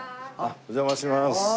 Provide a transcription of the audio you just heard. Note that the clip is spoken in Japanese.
お邪魔します。